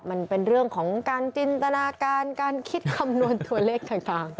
มันเป็นเรื่องของการจินตนาการการคิดคำนวณตัวเลขใครฟัง